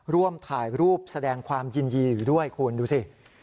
ร่วมถ่ายรูปแสดงความยินดีอยู่ด้วยคุณดูสิ